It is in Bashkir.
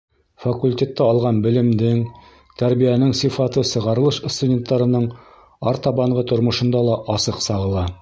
— Факультетта алған белемдең, тәрбиәнең сифаты сығарылыш студенттарының артабанғы тормошонда ла асыҡ сағыла.